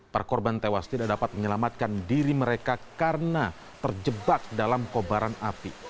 perkorban tewas tidak dapat menyelamatkan diri mereka karena terjebak dalam kobaran api